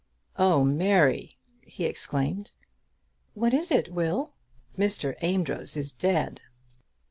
"Oh, Mary!" he exclaimed. "What is it, Will?" "Mr. Amedroz is dead."